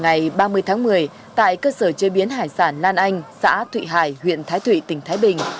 ngày ba mươi tháng một mươi tại cơ sở chế biến hải sản lan anh xã thụy hải huyện thái thụy tỉnh thái bình